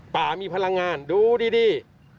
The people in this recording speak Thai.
ป่ามีพลังงานดูดี